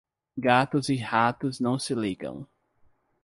Gatos e ratos não se ligam.